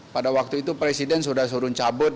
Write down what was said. pada waktu itu presiden sudah suruh cabut